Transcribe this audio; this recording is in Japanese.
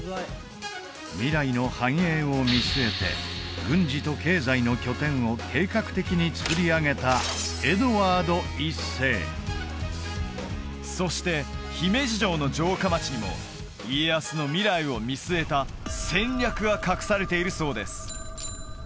未来の繁栄を見据えて軍事と経済の拠点を計画的につくりあげたエドワード１世そして姫路城の城下町にも家康の未来を見据えた戦略が隠されているそうです